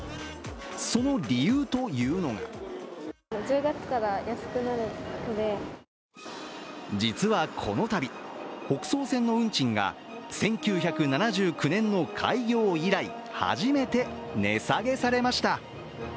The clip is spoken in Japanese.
その理由というのが実はこの度、北総線の運賃が１９７９年の開業以来、初めて値下げされました。